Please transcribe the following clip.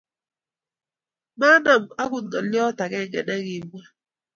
maang'am akot ng'olion agenge ne kimwa